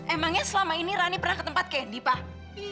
emangnya selama ini rani pernah ketempat candy mah